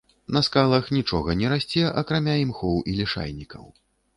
На скалах нічога не расце акрамя імхоў і лішайнікаў.